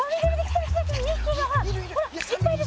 いっぱいいる。